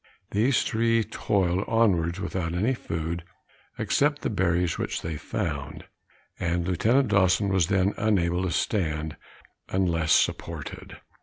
These three toiled onwards without any food, except the berries which they found; and Lieutenant Dawson was then unable to stand, unless supported.